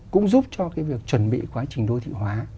cũng giúp cho cái việc chuẩn bị quá trình đô thị hóa